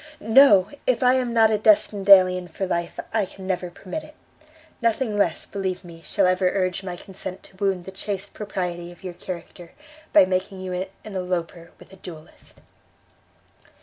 No, if I am not a destined alien for life I can never permit it. Nothing less, believe me, shall ever urge my consent to wound the chaste propriety of your character, by making you an eloper with a duelist."